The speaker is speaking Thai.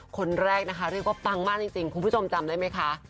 คนแรกนะคะเรียกว่าปังมากจริงคุณผู้ชมจำได้ไหมคะ